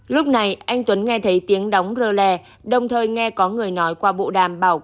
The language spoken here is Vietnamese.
lúc này anh tuấn nghe thấy tiếng đóng rơ lè đồng thời nghe có người nói qua bộ đàm bảo